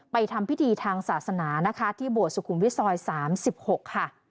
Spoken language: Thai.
ทำพิธีทางศาสนานะคะที่โบสถสุขุมวิทซอย๓๖ค่ะ